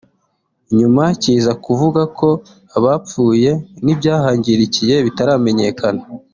nyuma kiza kuvuga ko abapfuye n’ibyahangirikiye bitaramenyekana